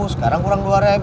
sekarang kurang dua ribu